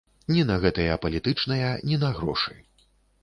Ні на гэтыя палітычныя, ні на грошы.